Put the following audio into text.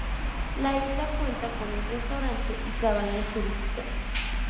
La isla cuenta con un restaurante y cabañas turísticas.